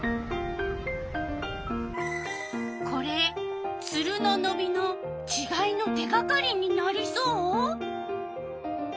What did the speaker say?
これツルののびのちがいの手がかりになりそう？